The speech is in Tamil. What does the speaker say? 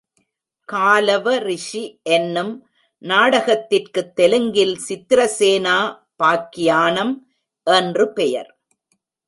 காலவ ரிஷி என்னும் நாடகத்திற்குத் தெலுங்கில் சித்திரசேனோ பாக்கியானம் என்று பெயர்.